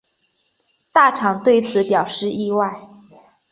大场对此表示意外。